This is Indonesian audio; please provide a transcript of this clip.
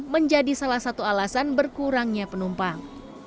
menjadi salah satu alasan berkurangnya penumpang